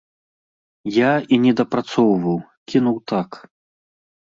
Я і не дапрацоўваў, кінуў так.